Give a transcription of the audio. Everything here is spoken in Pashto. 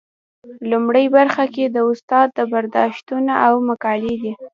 لومړۍ برخه کې د استاد برداشتونه او مقالې دي.